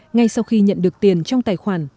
ngay sau khi nhận được tiền trong tài khoản